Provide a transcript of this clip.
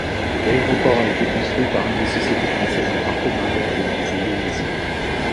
L'aéroport a été construit par une des sociétés françaises en partenariat avec des Indonésiens.